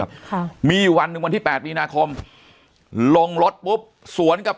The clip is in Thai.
ค่ะมีอยู่วันหนึ่งวันที่แปดมีนาคมลงรถปุ๊บสวนกับ